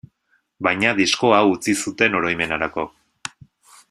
Baina disko hau utzi zuten oroimenerako.